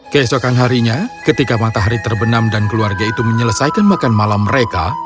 keesokan harinya ketika matahari terbenam dan keluarga itu menyelesaikan makan malam mereka